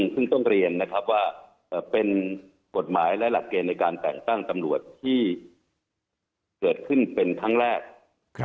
ซึ่งต้องเรียนนะครับว่าเป็นกฎหมายและหลักเกณฑ์ในการแต่งตั้งตำรวจที่เกิดขึ้นเป็นครั้งแรก